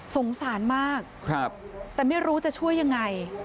สงสารมากแต่ไม่รู้จะช่วยยังไง